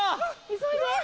急いで！